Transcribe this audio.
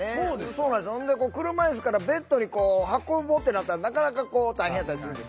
あそうですか。ほんで車いすからベッドにこう運ぼうってなったらなかなかこう大変やったりするんです。